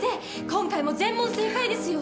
今回も全問正解ですよ。